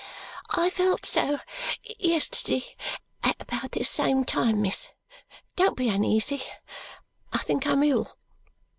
I felt so yesterday at about this same time, miss. Don't be uneasy, I think I'm ill."